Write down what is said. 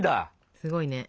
すごいね。